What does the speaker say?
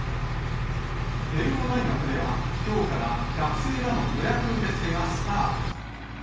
慶応大学では、きょうから学生らの予約受け付けがスタート。